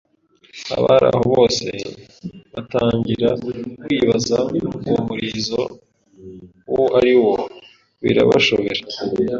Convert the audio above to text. abari aho bose batangira kwibaza uwo murizo uwo ari wo birabashobera